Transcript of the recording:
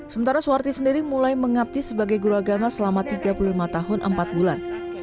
sementara suwarti sendiri mulai mengabdi sebagai guru agama selama tiga puluh lima tahun empat bulan